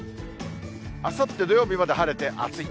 あさって土曜日まで晴れて、暑い。